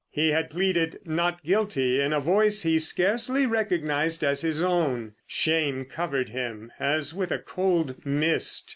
He had pleaded "Not guilty," in a voice he scarcely recognised as his own. Shame covered him as with a cold mist.